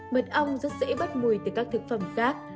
mật ong rất dễ bắt mùi từ các thực phẩm khác